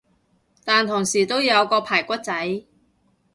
但同時都有個排骨仔